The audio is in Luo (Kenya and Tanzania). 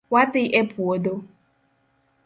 Wadhi e puodho